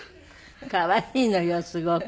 可愛いのよすごく。